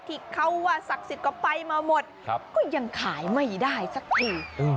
ที่เขาว่าศักดิ์สิทธิ์ก็ไปมาหมดก็ยังขายไม่ได้สักที